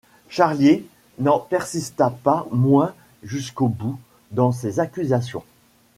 Charlier n'en persista pas moins jusqu'au bout dans ses accusations.